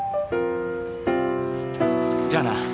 じゃあな。